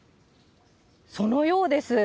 そのようです。